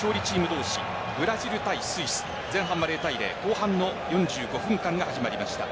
同士ブラジル対スイス、前半は０対０後半の４５分間が始まりました。